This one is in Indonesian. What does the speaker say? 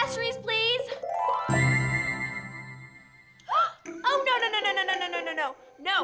oh tidak tidak tidak